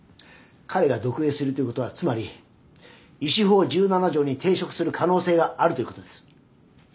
彼が読影するということはつまり医師法１７条に抵触する可能性があるということです。